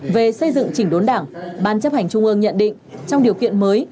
về xây dựng chỉnh đốn đảng ban chấp hành trung ương nhận định trong điều kiện mới